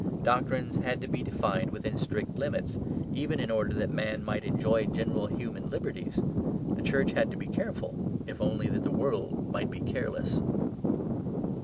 Doctrines had to be defined within strict limits, even in order that man might enjoy general human liberties. The Church had to be careful, if only that the world might be careless.